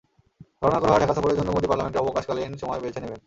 ধারণা করা হয়, ঢাকা সফরের জন্য মোদি পার্লামেন্টের অবকাশকালীন সময় বেছে নেবেন।